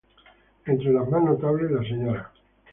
Entre las más notables, la Sra.